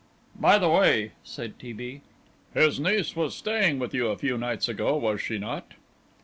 "By the way," said T. B., "his niece was staying with you a few nights ago, was she not?"